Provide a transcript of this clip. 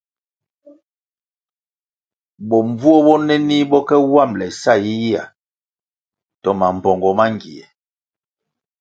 Bombvuo bonenih bo ke wambʼle sa yiyihya to mambpongo mangie,